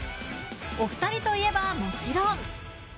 お二人といえばもちろん。